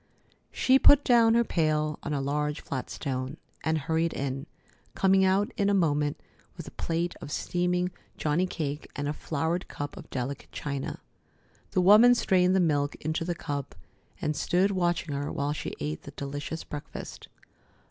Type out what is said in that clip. She put down her pail on a large flat stone, and hurried in, coming out in a moment with a plate of steaming johnny cake and a flowered cup of delicate china. The woman strained the milk into the cup and stood watching her while she ate the delicious breakfast.